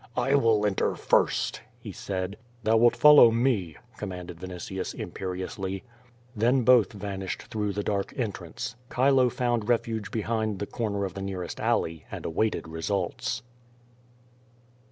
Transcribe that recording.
"I will enter first," he said. "Thou wilt follow me," commanded Vinitius, imperiously. Then both vanished through the dark entrance. Chilo found refuge behind the corner of the nearest alley, and awaited results.